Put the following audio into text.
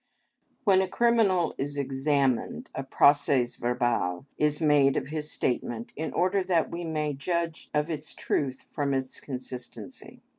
When a criminal is examined, a procès verbal is made of his statement in order that we may judge of its truth from its consistency.